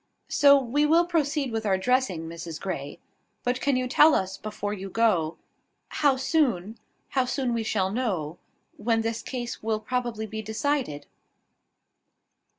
So we will proceed with our dressing, Mrs Grey. But can you tell us, before you go, how soon How soon we shall know; when this case will probably be decided?"